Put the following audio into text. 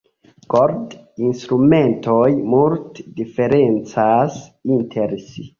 Kord-instrumentoj multe diferencas inter si.